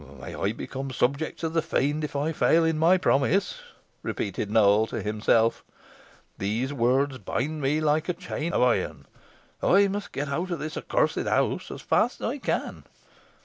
"'May I become subject to the Fiend if I fail in my promise,'" repeated Nowell to himself. "Those words bind me like a chain of iron. I must get out of this accursed house as fast as I can."